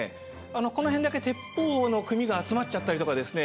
この辺だけ鉄砲の組が集まっちゃったりとかですね